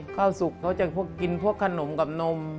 สุกเขาจะกินพวกขนมกับนม